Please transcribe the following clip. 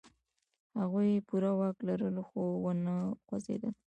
هغوی پوره واک لرلو، خو و نه خوځېدل.